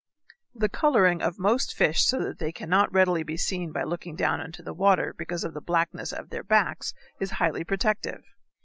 The coloring of most fish so that they cannot readily be seen by looking down into the water because of the blackness of their backs, is highly protective.